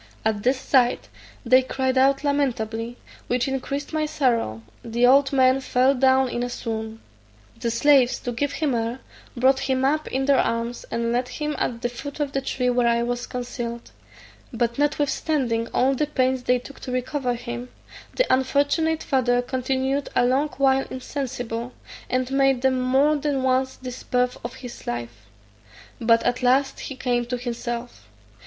At this sight they cried out lamentably, which increased my sorrow: the old man fell down in a swoon. The slaves, to give him air, brought him up in their arms, and laid him at the foot of the tree where I was concealed; but notwithstanding all the pains they took to recover him, the unfortunate father continued a long while insensible, and made them more than once despair of his life; but at last he came to himself.